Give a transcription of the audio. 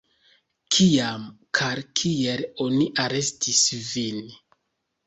Kiam kaj kiel oni arestis vin?